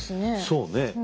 そうね。